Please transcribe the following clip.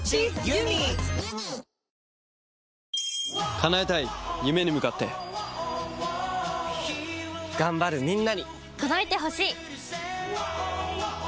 叶えたい夢に向かって頑張るみんなに届いてほしい！